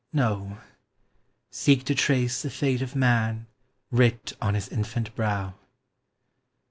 No, seek to trace the fate of man Writ on his infant brow.